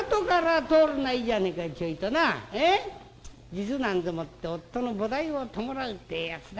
数珠なんて持って夫の菩提を弔うってえやつだ。